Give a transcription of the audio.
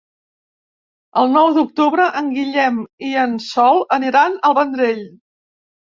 El nou d'octubre en Guillem i en Sol aniran al Vendrell.